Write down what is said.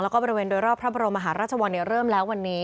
แล้วก็บริเวณโดยรอบพระบรมมหาราชวังเริ่มแล้ววันนี้